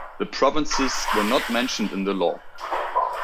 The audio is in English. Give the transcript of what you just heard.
The provinces were not mentioned in the law.